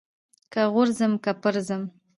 که غورځم که پرځم.